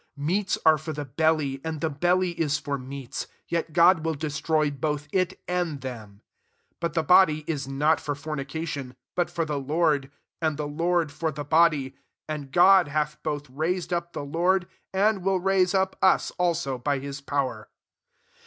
13 Meats are for the belly, and the belly is for meats: yet God will destroy both it and them. But the body is not for fornica tion, but for the Lord ; and the Lord for the body : 14 and God hath both raised up the Lord, and will raise up us also by his power.